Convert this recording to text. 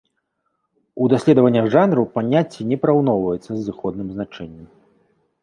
У даследаваннях жанру паняцце не параўноўваецца з зыходным значэннем.